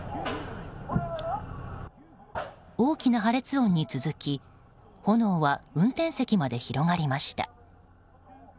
大きな破裂音に続き炎は運転席まで広がりました。